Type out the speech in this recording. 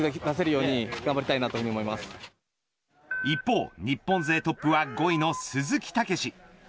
一方日本勢トップは５位の鈴木猛史。